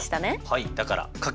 はい。